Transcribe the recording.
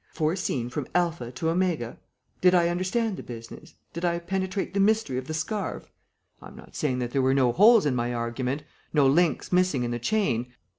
Foreseen from alpha to omega? Did I understand the business? Did I penetrate the mystery of the scarf? I'm not saying that there were no holes in my argument, no links missing in the chain....